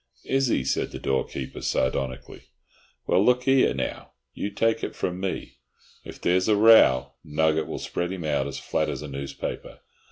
"Is he?" said the doorkeeper, sardonically. "Well, look 'ere, now, you take it from me, if there's a row Nugget will spread him out as flat as a newspaper.